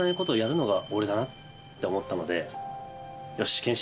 だなって思ったので。